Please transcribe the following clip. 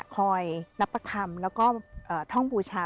คอยนับประคำแล้วก็ท่องบูชา